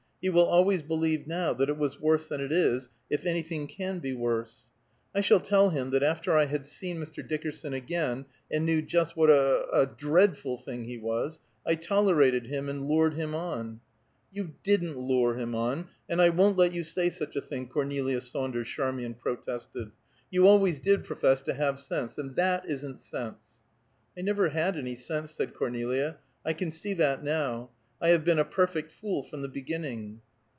He will always believe now that it was worse than it is, if anything can be worse. I shall tell him that after I had seen Mr. Dickerson again, and knew just what a a dreadful thing he was, I tolerated him, and lured him on " "You didn't lure him on, and I won't let you say such a thing, Cornelia Saunders," Charmian protested. "You always did profess to have sense, and that isn't sense." "I never had any sense," said Cornelia, "I can see that now. I have been a perfect fool from the beginning."